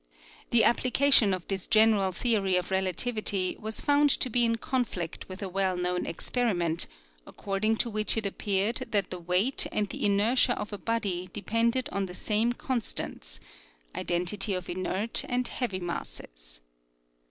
The application of this general theory of relativity was found to be in conflict with a well known experiment, according to which it appeared that the weight and the inertia of a body depended on the same constants (identity of inert and heavy masses).